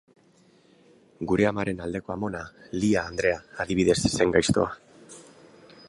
Gure amaren aldeko amona, Lia andrea, adibidez, ez zen gaiztoa.